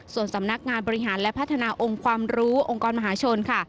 ส่วนสำนักงานบริหารและพัฒนาองค์ความรู้องค์กรมหาชนค่ะ